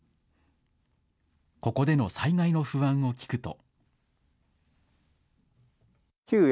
ここでの災害の不安を聞くと。